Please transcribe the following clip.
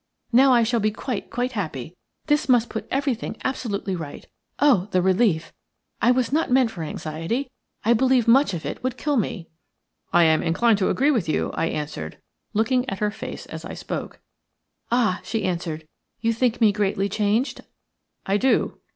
Now I shall be quite, quite happy. This must put everything absolutely right. Oh, the relief! I was not meant for anxiety; I believe much of it would kill me." "I am inclined to agree with you," I answered, looking at her face as I spoke. "Ah," she answered, "you think me greatly changed?" "I do."